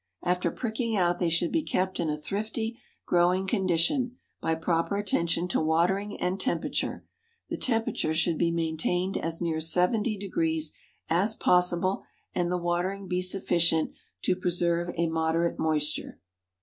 After pricking out they should be kept in a thrifty, growing condition, by proper attention to watering and temperature; the temperature should be maintained as near 70° as possible, and the watering be sufficient to preserve a moderate moisture.